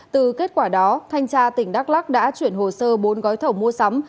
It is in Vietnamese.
từ kết quả đó thanh tra tỉnh đắk lắc đã chuyển hồ sơ bốn gói thầu mua sắm